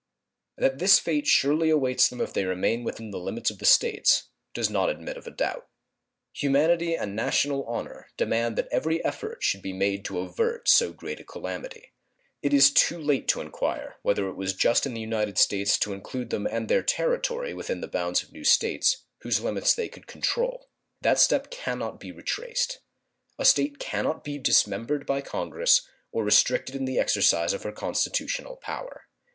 That this fate surely awaits them if they remain within the limits of the States does not admit of a doubt. Humanity and national honor demand that every effort should be made to avert so great a calamity. It is too late to inquire whether it was just in the United States to include them and their territory within the bounds of new States, whose limits they could control. That step can not be retraced. A State can not be dismembered by Congress or restricted in the exercise of her constitutional power.